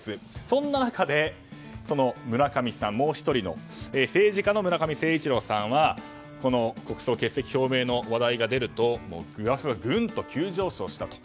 そんな中で、村上さんもう１人の政治家の村上誠一郎さんは国葬欠席表明の話題が出るとグラフがぐんと急上昇したと。